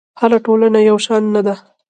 هره ټولنه یو شان نه ده.